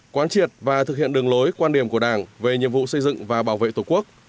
quán triệt và thực hiện đường lối quan điểm của đảng về nhiệm vụ xây dựng và bảo vệ tổ quốc